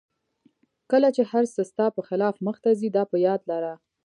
کله چې هر څه ستا په خلاف مخته ځي دا په یاد لره.